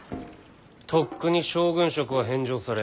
とっくに将軍職は返上され